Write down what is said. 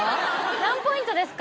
何ポイントですか？